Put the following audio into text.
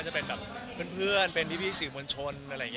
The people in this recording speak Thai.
เช้าเที่ยง